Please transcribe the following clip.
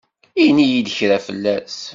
Ini-yi-d kra fell-as.